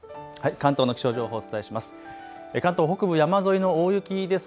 関東の気象情報、お伝えします。